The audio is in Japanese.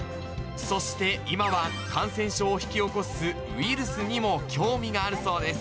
そして、今は感染症を引き起こすウイルスにも興味があるそうです。